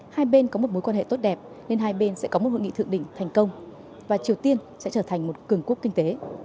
hai bên có một mối quan hệ tốt đẹp nên hai bên sẽ có một hội nghị thượng đỉnh thành công và triều tiên sẽ trở thành một cường quốc kinh tế